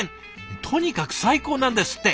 とにかく最高なんですって。